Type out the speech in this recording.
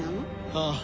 ああ。